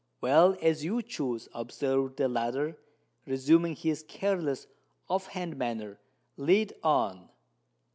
"Well, as you choose," observed the latter, resuming his careless, off hand manner. "Lead on."